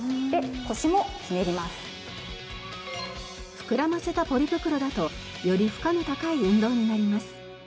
膨らませたポリ袋だとより負荷の高い運動になります。